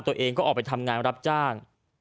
ตัวเองก็ออกไปทำงานรับจ้าง